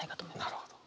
なるほど。